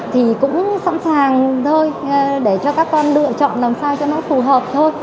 thì cũng sẵn sàng thôi để cho các con lựa chọn làm sao cho nó phù hợp thôi